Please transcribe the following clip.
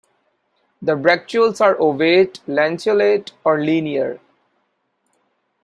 The bracteoles are ovate, lanceolate or linear.